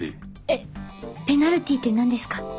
えっペナルティーって何ですか？